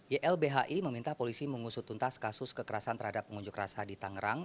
ylbhi meminta polisi mengusut tuntas kasus kekerasan terhadap pengunjuk rasa di tangerang